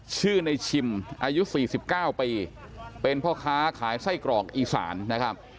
ชื่อในชิมอายุ๔๙ปีเป็นพ่อค้าขายไส้กรอกอีสานนะครับ